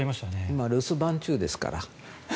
今、留守番中ですから。